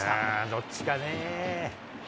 どっちかね。